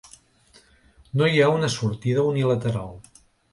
No hi ha una sortida unilateral.